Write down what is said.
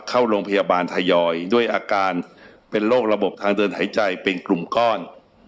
เข้าโรงพยาบาลทยอยด้วยอาการเป็นโรคระบบทางเดินหายใจเป็นกลุ่มก้อน